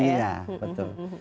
kemudian kalkulatornya ya